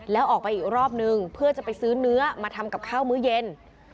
แล้วออกไปอีกรอบนึงเพื่อจะไปซื้อเนื้อมาทำกับข้าวมื้อเย็น